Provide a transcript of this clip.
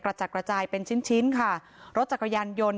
จัดกระจายเป็นชิ้นชิ้นค่ะรถจักรยานยนต์